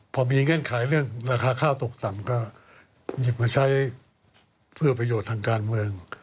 พอมีเงื่อนไขเรื่องราคาข้าวตกต่ำก็หยิบมาใช้เพื่อประโยชน์ทางการเมือง